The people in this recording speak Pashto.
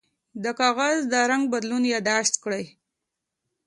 د کاغذ د رنګ بدلون یاد داشت کړئ.